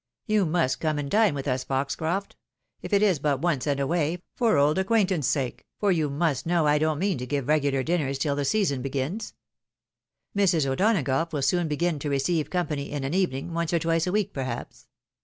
You must come and dine witli us, Foxoroft ; if it is but once and away, for old acquaintance' sake, for you must know I don't mean to give regular dinners tUl tbe season begins. Mrs. O'Donagough will soon begin to receive company in an evening, once or twice a week perhaps.